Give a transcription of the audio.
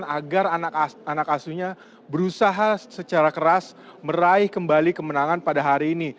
agar anak asuhnya berusaha secara keras meraih kembali kemenangan pada hari ini